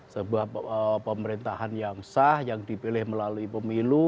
sebuah pemerintahan yang sah yang dipilih melalui pemilu